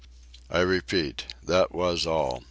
I repeat. That was all.